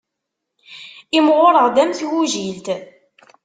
Imɣureɣ-d am tgujilt.